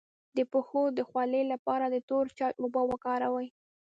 د پښو د خولې لپاره د تور چای اوبه وکاروئ